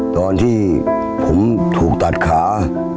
ตอนที่ผมถูกตัดขา